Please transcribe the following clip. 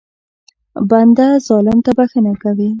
بنده ظالم ته بښنه کوي.